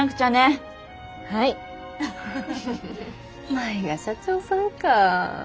舞が社長さんかぁ。